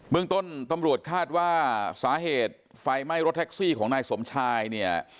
เมืองต้นตำรวจคาดว่าสาเหตุไฟไหม้รถแท็กซี่ของนายสมชายเนี่ย